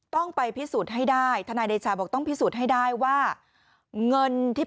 ต้องไปพิสูจน์ให้ได้ทนายเดชาบอกต้องพิสูจน์ให้ได้ว่าเงินที่